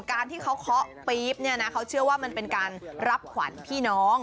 การที่เขาเคาะปี๊บเนี่ยนะเขาเชื่อว่ามันเป็นการรับขวัญพี่น้อง